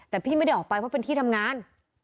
แต่พี่ไม่ได้ออกไปเพราะเป็นที่ทำงาน